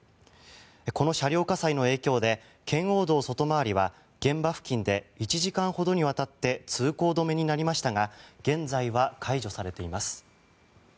この車両火災の影響で圏央道外回りは現場付近で１時間ほどにわたって通行止めになりましたが現在は解除されています。